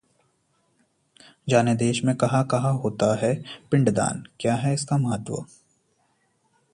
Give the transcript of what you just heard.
जानें, देश में कहां-कहां होता है पिंडदान, क्या है इसका महत्व